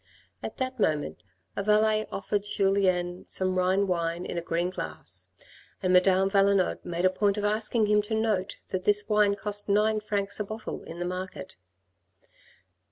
At that moment a valet offered Julien 10 » 146 THE RED AND THE BLACK some Rhine wine in a green glass and Madame Valenod made a point of asking him to note that this wine cost nine francs a bottle in the market.